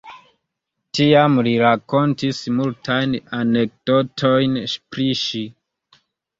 Tiam li rakontis multajn anekdotojn pri ŝi.